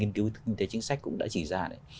kinh tế chính sách cũng đã chỉ ra đấy